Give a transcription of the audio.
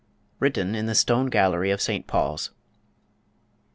(_Written in the Stone Gallery of St Paul's.